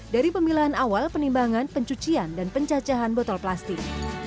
dari pemilahan awal penimbangan pencucian dan pencacahan botol plastik